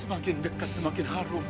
semakin dekat semakin harum